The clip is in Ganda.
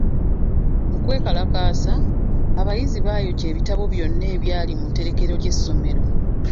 Mu kwekalakaasa, abayizi baayokya ebitabo byonna ebyali mu tterekero ly'essomero.